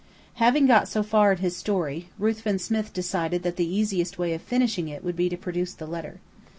Having got so far in his story, Ruthven Smith decided that the easiest way of finishing it would be to produce the letter.